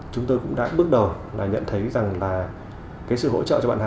chúng tôi cũng đã bước đầu là nhận thấy rằng là cái sự hỗ trợ cho bạn hà